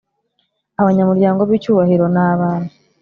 Abanyamuryango b icyubahro ni abantu